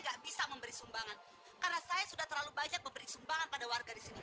nggak bisa memberi sumbangan karena saya sudah terlalu banyak memberi sumbangan pada warga di sini